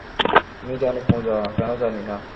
তুমি জানো পূজা, কেন জানি না?